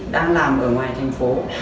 đang làm ở ngoài thành phố